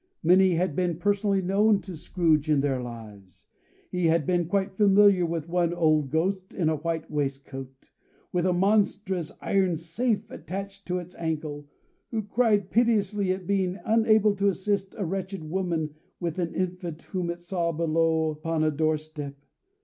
Many had been personally known to Scrooge in their lives. He had been quite familiar with one old ghost, in a white waistcoat, with a monstrous iron safe attached to its ankle, who cried piteously at being unable to assist a wretched woman with an infant, whom it saw below upon a door step.